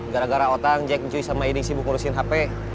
gara gara otang jack juwi sama edi sibuk ngurusin hp